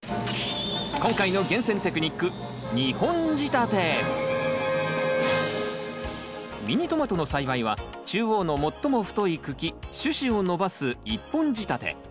今回のミニトマトの栽培は中央の最も太い茎主枝を伸ばす１本仕立て。